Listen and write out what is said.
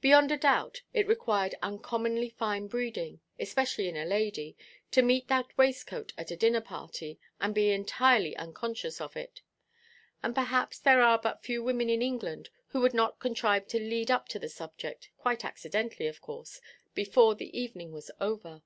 Beyond a doubt, it required uncommonly fine breeding, especially in a lady, to meet that waistcoat at a dinner–party, and be entirely unconscious of it. And perhaps there are but few women in England who would not contrive to lead up to the subject, quite accidentally, of course, before the evening was over.